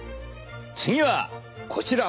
次はこちら。